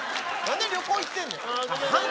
何で旅行行ってんねんあ